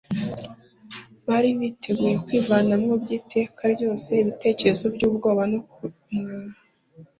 Bari biteguye kwivanamo by'iteka ryose ibitekerezo by'ubwoba no kumwara.